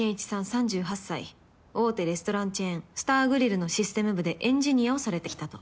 ３８歳大手レストランチェーンスターグリルのシステム部でエンジニアをされてきたと。